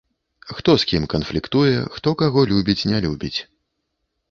Хто з кім канфліктуе, хто каго любіць, не любіць.